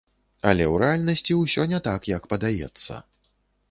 Але ў рэальнасці ўсё не так, як падаецца.